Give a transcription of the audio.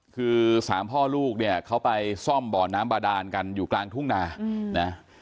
คือสามพ่อลูกเนี่ยเขาไปซ่อมบ่อน้ำบาดานกันอยู่กลางทุ่งนานะ